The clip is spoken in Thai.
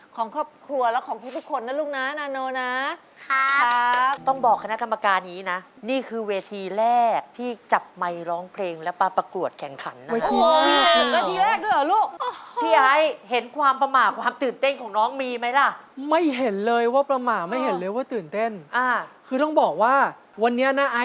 ของครอบครัวและของทุกคน